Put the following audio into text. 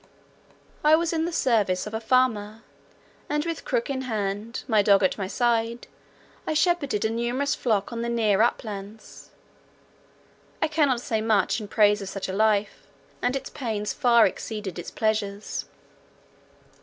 I was in the service of a farmer; and with crook in hand, my dog at my side, I shepherded a numerous flock on the near uplands. I cannot say much in praise of such a life; and its pains far exceeded its pleasures.